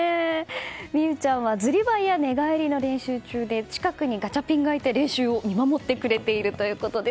美兎ちゃんは、ずり這いや寝返りの練習中で近くにガチャピンがいて、練習を見守ってくれているということです。